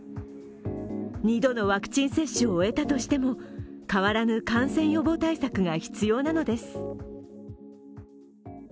２度のワクチン接種を終えたとしても変わらぬ感染予防対策が必要なのです。